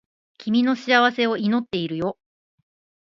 君の幸せを祈っているよ